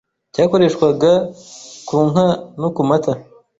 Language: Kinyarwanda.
cyakoreshwaga ku nka no ku mata